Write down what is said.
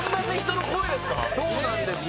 そうなんですよ。